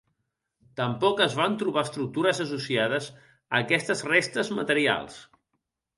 Tampoc es van trobar estructures associades a aquestes restes materials.